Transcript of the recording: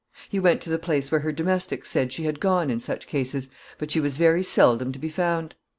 He went to the place where her domestics said she had gone in such cases, but she was very seldom to be found.